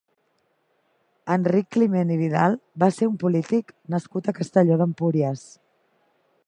Enric Climent i Vidal va ser un polític nascut a Castelló d'Empúries.